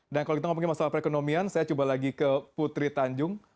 dan kalau kita ngomongin masalah perekonomian saya coba lagi ke putri tanjung